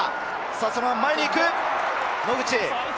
そのまま前に行く、野口。